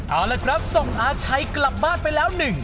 เอาละครับส่งอาชัยกลับบ้านไปแล้วหนึ่ง